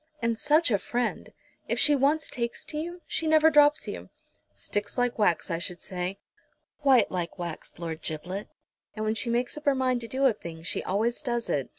"And such a friend! If she once takes to you she never drops you." "Sticks like wax, I should say." "Quite like wax, Lord Giblet. And when she makes up her mind to do a thing she always does it.